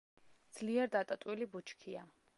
ძლიერ დატოტვილი ბუჩქია.